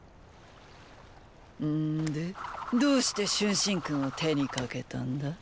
んでどうして春申君を手にかけたんだ？